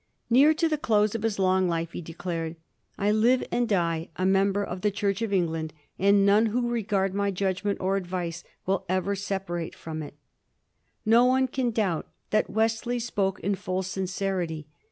Near to the close of his long life he declared, "I live and die a member of the Church of England, and none who regard my judgment or advice will ever separate from it" No one can doubt that Wesley spoke in full sincerity.